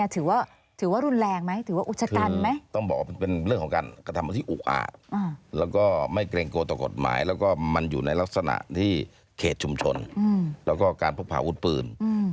ถือว่ารุนแรงไหมถือว่าอุจชะกันไหม